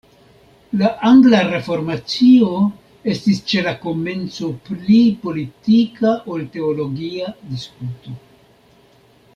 La angla reformacio estis ĉe la komenco pli politika ol teologia disputo.